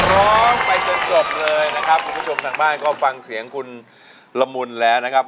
ร้องไปจนจบเลยนะครับคุณผู้ชมทางบ้านก็ฟังเสียงคุณละมุนแล้วนะครับ